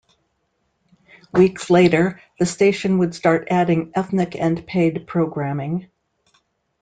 Weeks later, the station would start adding ethnic and paid programming.